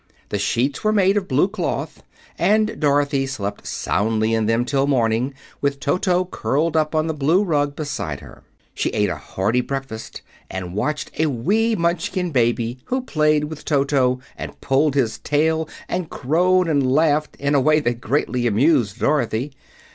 The sheets were made of blue cloth, and Dorothy slept soundly in them till morning, with Toto curled up on the blue rug beside her. She ate a hearty breakfast, and watched a wee Munchkin baby, who played with Toto and pulled his tail and crowed and laughed in a way that greatly amused Dorothy.